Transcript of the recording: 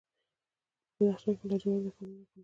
په بدخشان کې د لاجوردو کانونه لرغوني دي